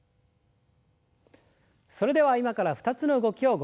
それでは今から２つの動きをご紹介します。